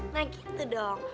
nah gitu dong